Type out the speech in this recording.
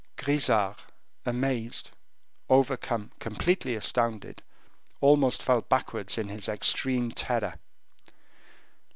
Grisart, amazed, overcome, completely astounded, almost fell backwards in his extreme terror.